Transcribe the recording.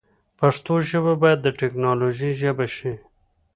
پښتو ژبه باید د تکنالوژۍ ژبه شی